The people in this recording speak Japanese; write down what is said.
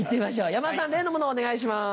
山田さん例のものをお願いします。